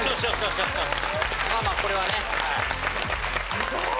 すごい！